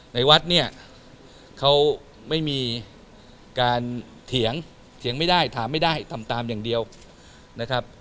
ในวัดเนี่ยเขาไม่มีการเถียงเถียงไม่ได้ถามไม่ได้ทำตามอย่างเดียวนะครับ